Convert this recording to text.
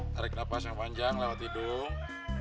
tarik nafas yang panjang lewat hidung